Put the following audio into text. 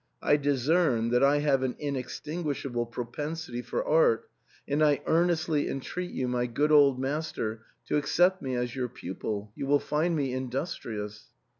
I discern that I have an inextinguishable propensity for art, and I earnestly entreat you, my good old riiaster, to accept me as your pupil ; you will find me industrious."